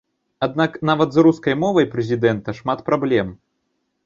Аднак нават з рускай мовай прэзідэнта шмат праблем.